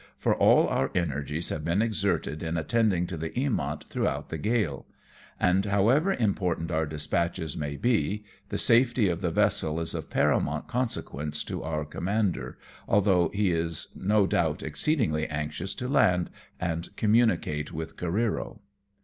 for all our energies have been exerted in attending to the Eamont throughout the gale; and, however important our dispatches may be, the safety of the vessel is of paramount consequence to our commander, although he is no doubt exceedingly anxious to land, and communicate with Careero.